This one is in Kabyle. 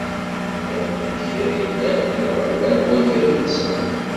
Rnan kra yellan d lɣella n wakal-nsen.